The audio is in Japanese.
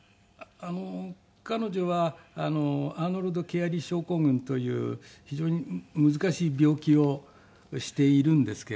彼女はアーノルド・キアリ症候群という非常に難しい病気をしているんですけれども。